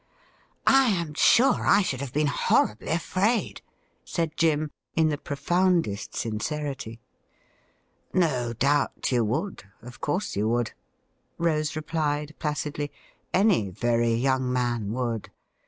' I am sure I should have been horribly afraid,' said Jim, in the profoundest sincerity. 'No doubt you would — of course you would,' Rose replied placidly ;' any very young man would.